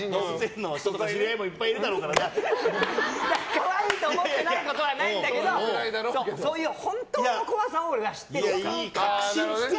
可愛いと思ってないことはないんだけどそういう本当の怖さを俺は知ってるの。